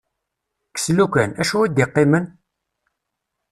Kkes lukan, acu i d-iqqimen?